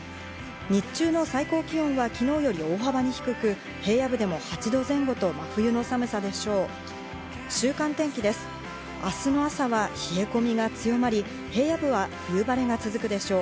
日中の最高気温は昨日より大幅に低く、平野部でも８度前後と真冬の寒さでしょう。